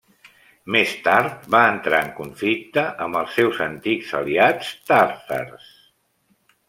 Més tard, va entrar en conflicte amb els seus antics aliats tàtars.